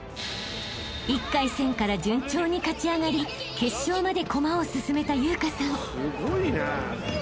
［１回戦から順調に勝ち上がり決勝まで駒を進めた由夏さん］